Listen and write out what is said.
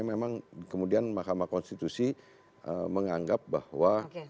apa namanya memang kemudian mahkamah konstitusi menganggap bahwa